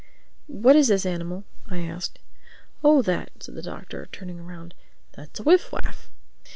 "What is this animal?" I asked. "Oh that," said the Doctor, turning round—"that's a Wiff Waff.